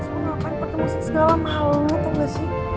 lu ngapain pertemuan segala sama lu tau gak sih